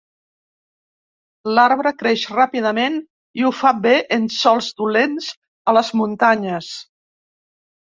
L'arbre creix ràpidament i ho fa bé en sòls dolents a les muntanyes.